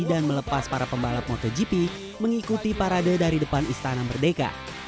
dan melepas para pembalap motogp mengikuti parade dari depan istana merdeka